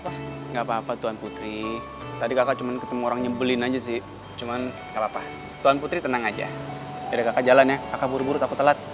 kakak jalan ya kakak buru buru aku telat